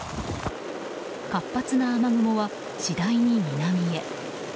活発な雨雲は次第に南へ。